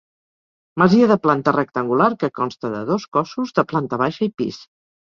Masia de planta rectangular que consta de dos cossos, de planta baixa i pis.